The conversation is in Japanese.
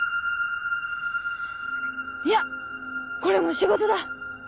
いやこれも仕事だ！